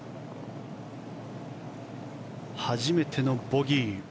初めてのボギー。